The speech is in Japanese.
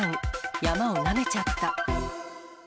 山をなめちゃった。